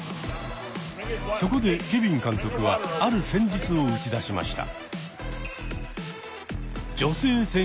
そこでケビン監督はある戦術を打ち出しました。